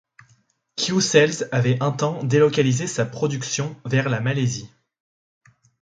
Q-Cells avait un temps délocalisé sa production vers la Malaisie.